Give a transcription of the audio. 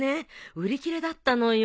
売り切れだったのよ。